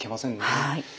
はい。